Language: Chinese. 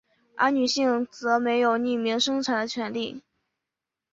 而女性则没有匿名生产的权力。